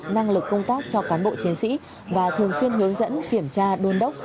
năng lực công tác cho cán bộ chiến sĩ và thường xuyên hướng dẫn kiểm tra đôn đốc